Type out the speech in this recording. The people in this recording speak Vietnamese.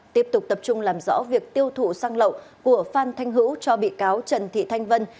tiếp tục tập trung làm rõ việc tiêu thụ xăng lậu của phan thanh hữu cho bị cáo trần thị thanh vân